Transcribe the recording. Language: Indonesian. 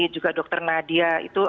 juga dokter nadia